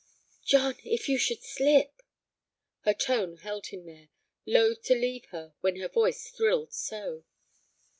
"John, if you should slip!" Her tone held him there, loath to leave her when her voice thrilled so.